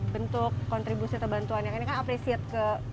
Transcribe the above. bentuk kontribusi atau bantuan yang ini kan apresiat ke pak sofian